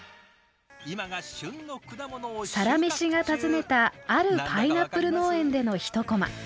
「サラメシ」が訪ねたあるパイナップル農園での一こま。